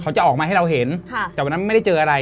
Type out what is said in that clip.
จะออกมาให้เราเห็นค่ะแต่วันนั้นไม่ได้เจออะไร